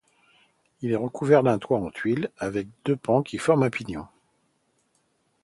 Il est recouvert d'un toit en tuiles à deux pans qui forme un pignon.